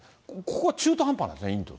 ここは中途半端なんですね、インド。